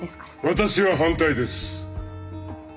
私は反対です。